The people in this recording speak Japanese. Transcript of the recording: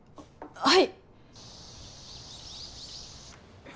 はい。